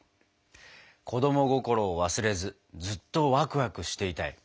子供心を忘れずずっとワクワクしていたい。